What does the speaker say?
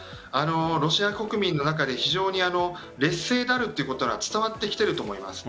ロシア国民の中で非常に劣勢であるということは伝わってきていると思います。